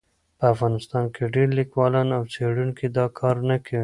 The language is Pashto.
په افغانستان کې ډېر لیکوالان او څېړونکي دا کار نه کوي.